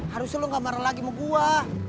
harusnya lo nggak marah lagi sama gue